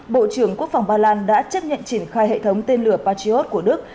bộ trưởng quốc phòng ba lan đã chấp nhận triển khai hệ thống tên lửa patriot của đức